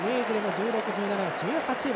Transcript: １６、１７、１８番。